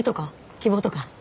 希望とか？